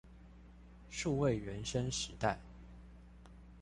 數位原生世代